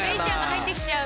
入ってきちゃう！